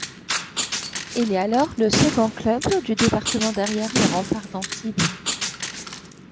Il est alors le second club du département derrière les Remparts d'Antibes.